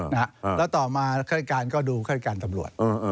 แล้วต่อมาเครื่องการก็ดูเครื่องการตำรวจ